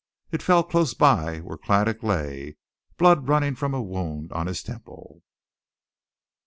It fell close by where Craddock lay, blood running from a wound on his temple.